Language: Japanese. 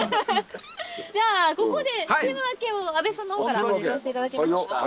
じゃあここでチーム分けを阿部さんのほうから発表していただけますか？